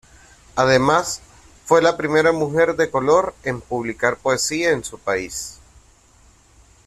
Además fue la primera mujer de color en publicar poesía en su país.